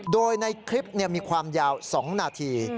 โดยในคลิปมีความยาว๒นาที